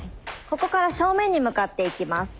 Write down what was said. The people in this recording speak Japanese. ここから正面に向かっていきます。